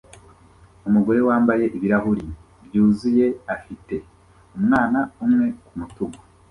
Umugore wambaye ibirahuri byuzuye afite umwana umwe kumutugu